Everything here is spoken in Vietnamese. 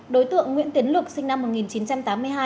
đối tượng nguyễn tiến lực sinh năm một nghìn chín trăm tám mươi hai